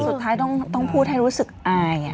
สุดท้ายต้องพูดให้รู้สึกอาย